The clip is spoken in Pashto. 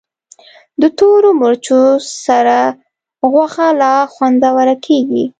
د تورو مرچو سره غوښه لا خوندوره کېږي.